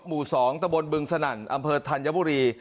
หมู่๒ตะบนบึงสนั่นอำเภอธัญบุรี